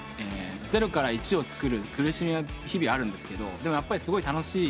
ゼロから１を作る苦しみは日々あるんですけどでもやっぱりすごい楽しい。